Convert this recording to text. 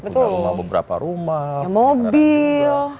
punya beberapa rumah punya mobil